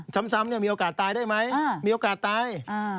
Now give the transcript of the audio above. ซ้ำมีโอกาสตายได้ไหมมีโอกาสตาย